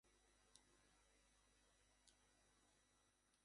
এমতাবস্থায় মানব দুগ্ধ ব্যাংকগুলি খুবই প্রয়োজন হয়ে পরে।